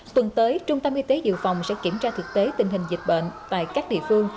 tuần tới trung tâm y tế dự phòng sẽ kiểm tra thực tế tình hình dịch bệnh tại các địa phương